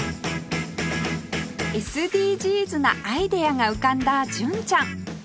ＳＤＧｓ なアイデアが浮かんだ純ちゃん